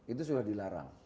itu sudah dilarang